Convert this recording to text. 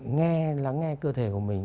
nghe lắng nghe cơ thể của mình